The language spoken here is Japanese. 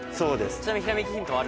ちなみにひらめきヒントは？